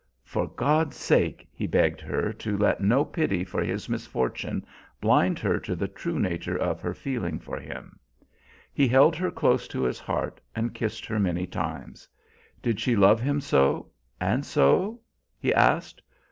For God's sake he begged her to let no pity for his misfortune blind her to the true nature of her feeling for him. He held her close to his heart and kissed her many times. Did she love him so and so? he asked.